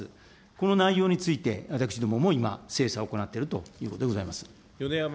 この内容について、私どもも今、精査を行っているということでございます。